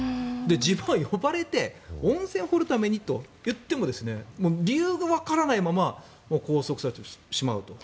自分は呼ばれて温泉を掘るためにと言っても理由がわからないまま拘束されてしまうと。